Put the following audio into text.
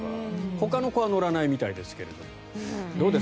ほかの子は乗らないみたいですがどうです？